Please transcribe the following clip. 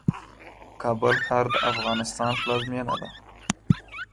کابل ښار د افغانستان پلازمېنه ده